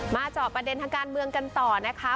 เจาะประเด็นทางการเมืองกันต่อนะคะ